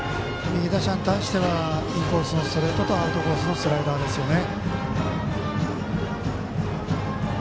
右打者に対してはインコースのストレートとアウトコースのスライダーですね。